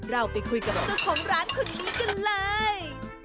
เราไปคุยกับเจ้าของร้านคนนี้กันเลย